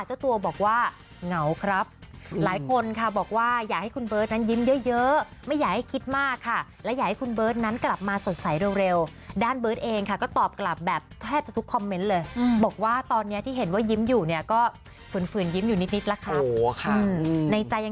เจ้าตัวบอกว่าเงาครับหลายคนค่ะบอกว่าอยากให้คุณเบิร์ตนั้นยิ้มเยอะ